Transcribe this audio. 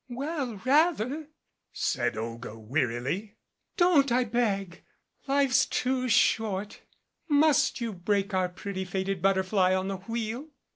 "Well, rather," said Olga wearily. "Don't, I beg. Life's too short. Must you break our pretty faded but terfly on the wheel?"